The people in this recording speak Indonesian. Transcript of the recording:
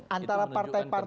itu menunjukkan kerja yang solid